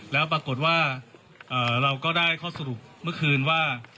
แล้วปรากฏว่าเราก็ได้ข้อสรุปเมื่อคืนว่า